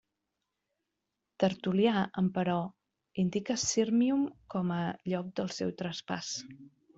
Tertul·lià, emperò, indica Sírmium com a lloc del seu traspàs.